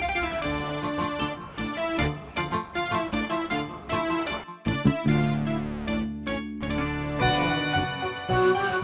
nah di sini umi